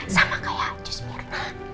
sama kayak jusmirna